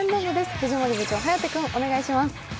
藤森部長、颯君、お願いします。